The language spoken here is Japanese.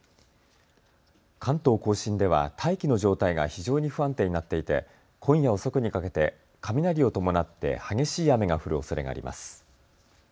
関東甲信では大気の状態が非常に不安定になっていて今夜遅くにかけて雷を伴って激しい雨が降るおそれがあります。